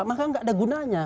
maka nggak ada gunanya